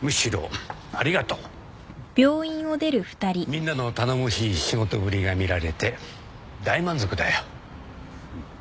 みんなの頼もしい仕事ぶりが見られて大満足だよ。